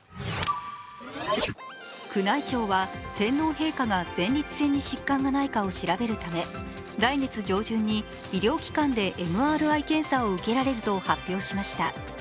宮内庁は天皇陛下が前立腺に疾患がないかを調べるため、来月上旬に医療機関でＭＲＩ検査を受けられると発表しました。